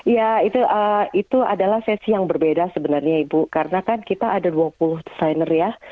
ya itu adalah sesi yang berbeda sebenarnya ibu karena kan kita ada dua puluh desainer ya